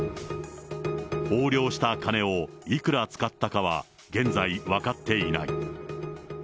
横領した金をいくら使ったかは現在、分かっていない。